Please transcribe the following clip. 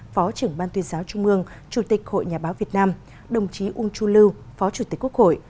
phó trưởng ban tuyên giáo trung mương chủ tịch hội nhà báo việt nam đồng chí uông chu lưu phó chủ tịch quốc hội